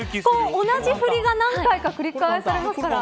同じ振りが何回か繰り返されますから。